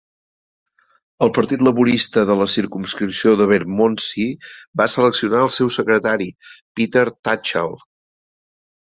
El Partit Laborista de la circumscripció de Bermondsey va seleccionar el seu secretari Peter Tatchell.